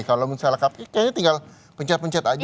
kalau misalnya kayaknya tinggal pencet pencet aja